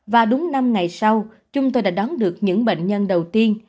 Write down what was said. và đúng năm ngày sau chúng tôi đã đón được những bệnh nhân đầu tiên